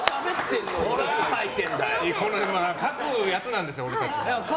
書くやつなんですよ、俺たちは。